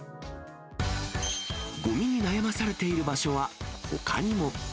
ごみに悩まされている場所はほかにも。